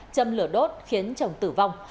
châm lửa đốt khiến chồng tử vong